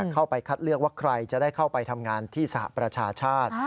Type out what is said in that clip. เข้าไปคัดเลือกว่าใครจะได้เข้าไปทำงานที่สหประชาชาติ